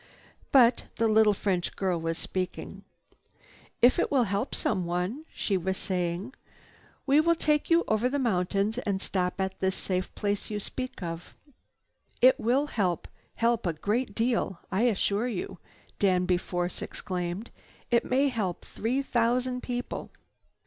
But the little French girl was speaking. "If it will help someone," she was saying. "We will take you over the mountains and stop at this safe place you speak of." "It will help—help a great deal, I assure you!" Danby Force exclaimed. "It may help three thousand people."